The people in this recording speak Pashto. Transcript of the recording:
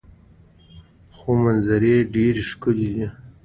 خو منظرې یې ډیرې ښکلې دي.